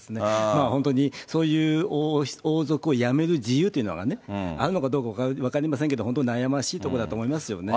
まあ本当に、そういう王族をやめる自由というのがね、あるのかどうか分かりませんけど、本当、悩ましいところだと思いますよね。